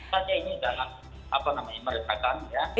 ternyata ini adalah meresakan ya